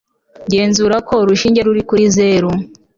genzura ko urushinge ruri kuri zero